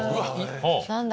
何だ？